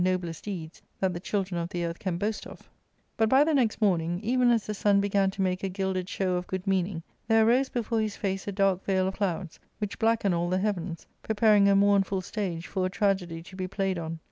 fV)blest deeds that the children of the earth can boast of !^"^ But by the next morning, even as the sun began to make J a gilded show of good meaning, there arose before his face a dark veil of clouds, which blackened all the heavens, pre I paring a mournful stage for a tragedy to be played on.